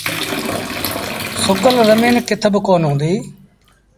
سُڪل زميݩ ڪٿ با ڪونا هُديٚ۔